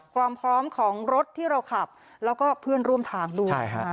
ความพร้อมของรถที่เราขับแล้วก็เพื่อนร่วมทางด้วย